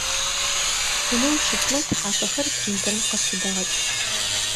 Хъунэу щытмэ тхьапэхэр принтерым къысфыдэгъэкӏ.